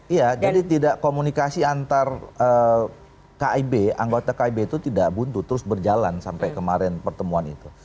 iya jadi tidak komunikasi antar kib anggota kib itu tidak buntu terus berjalan sampai kemarin pertemuan itu